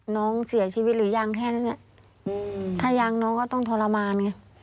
น้องเสียชีวิตหรือยังแค่นั้นถ้ายังน้องก็ต้องทรมานไง